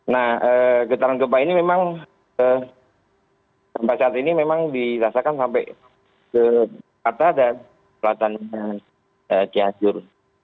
nah getaran gempa ini memang sampai saat ini memang dirasakan sampai ke jakarta dan selatan cianjur